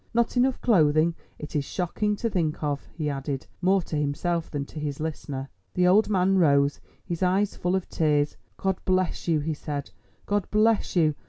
Not enough clothing—it is shocking to think of!" he added, more to himself than to his listener. The old man rose, his eyes full of tears. "God bless you," he said, "God bless you.